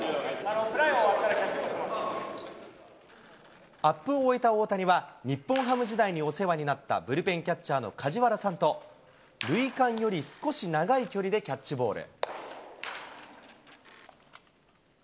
プライオが終わったらキャッチボアップを終えた大谷は、日本ハム時代にお世話になったブルペンキャッチャーの梶原さんと、塁間より少し長い距離でキャッチボール。